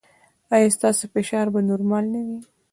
ایا ستاسو فشار به نورمال نه وي؟